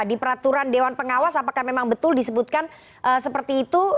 di peraturan dewan pengawas apakah memang betul disebutkan seperti itu